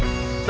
aku mau kemana